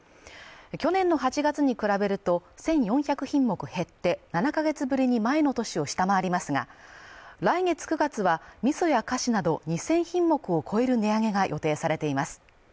去年の８月に比べると１４００品目減って７か月ぶりに前の年を下回りますが来月９月は味噌や菓子など２０００品目を超える値上げが予定されています